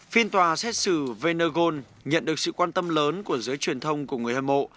phiên tòa xét xử venezon nhận được sự quan tâm lớn của giới truyền thông của người hâm mộ